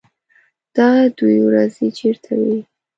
_دا دوې ورځې چېرته وې؟